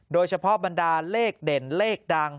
โดยเฉพาะบรรดาเลขเด่นเลขดัง